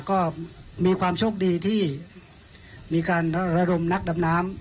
ก็มีความโชคดีที่มีการระดมนักดำน้ำ